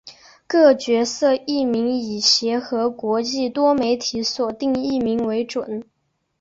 各角色译名以协和国际多媒体所定译名为准。